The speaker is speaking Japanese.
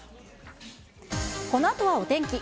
このあとはお天気。